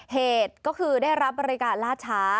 เหตุก็คือได้รับบริการล่าช้า